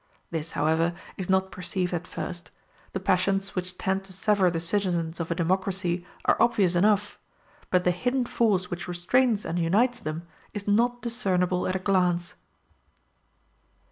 This, however, is not perceived at first; the passions which tend to sever the citizens of a democracy are obvious enough; but the hidden force which restrains and unites them is not discernible at a glance.